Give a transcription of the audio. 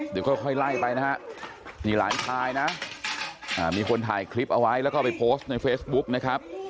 เดี๋ยวค่อยไล่ไปนะฮะนี่หลานชายนะมีคนถ่ายคลิปเอาไว้แล้วก็ไปโพสต์ในเฟซบุ๊กนะครับ